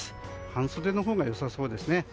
半袖のほうが良さそうですね。